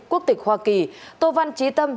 quốc tịch hoa kỳ tô văn trí tâm